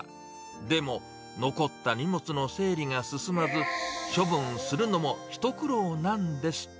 でも、残った荷物の整理が進まず、処分するのも一苦労なんです。